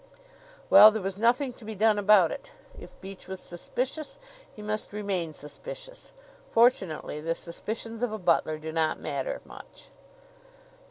Well, there was nothing to be done about it. If Beach was suspicious, he must remain suspicious. Fortunately the suspicions of a butler do not matter much.